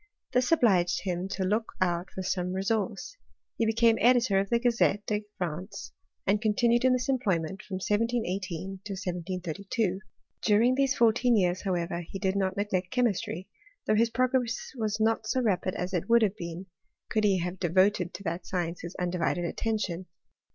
This obliged him to look ouSfc some resource: he became editor of the Grazetfa France, and continued in this employment from 1 to 1732. During these fourteen years, howevrffc did not neglect chemistry, though his progreil"' not so rapid as it would have been, could he ha^ voted to that science his undivided attention.